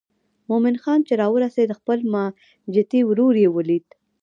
مومن خان چې راورسېد خپل ماجتي ورور یې ولید.